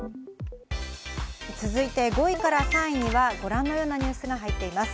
続いて５位から３位にはご覧のようなニュースが入っています。